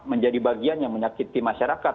menjadi bagian yang menyakiti masyarakat